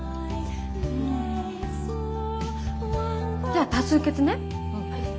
じゃあ多数決ね。